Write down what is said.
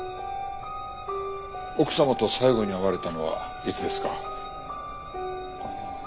奥様と最後に会われたのはいつですか？